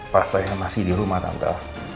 pas saya masih di rumah tangga